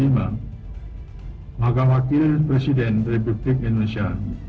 magawakil presiden republik indonesia